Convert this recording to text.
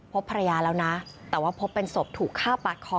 พบภรรยาแล้วนะแต่ว่าพบเป็นศพถูกฆ่าปาดคอ